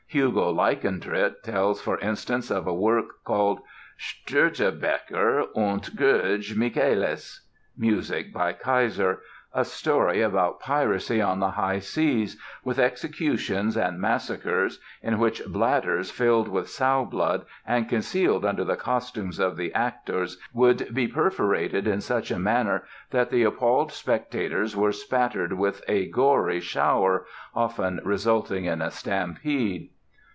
Hugo Leichtentritt tells, for instance, of a work called "Störtebeker und Gödge Michaelis" (music by Keiser), a story about piracy on the high seas, with executions and massacres, in which bladders filled with sow blood and concealed beneath the costumes of the actors would be perforated in such a manner that the appalled spectators were spattered with a gory shower, often resulting in a stampede.